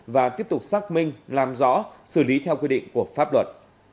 và tiếp tục xác minh làm rõ xử lý theo quy định của pháp luật